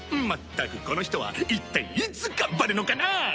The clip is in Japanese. まったくこの人は一体いつ頑張るのかな！？